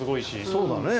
そうだね。